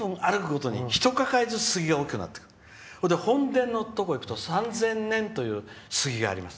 本殿のところいくと３０００年という杉があります。